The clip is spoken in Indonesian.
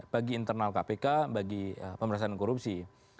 bagi internal kpk bagi pemerintahan korupsi